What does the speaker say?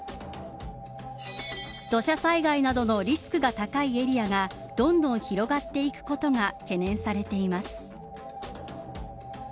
土砂災害などのリスクが高いエリアがどんどん広がっていくことが懸念されています。